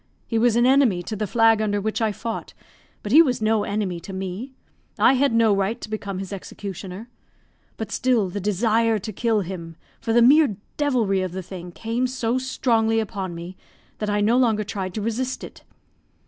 He was an enemy to the flag under which I fought, but he was no enemy to me I had no right to become his executioner; but still the desire to kill him, for the mere devilry of the thing, came so strongly upon me that I no longer tried to resist it.